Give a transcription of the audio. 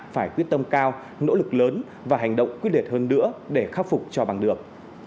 phải quyết tâm cao nỗ lực lớn và hành động quyết liệt hơn nữa để khắc phục cho bằng được